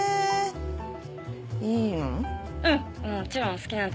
いいの？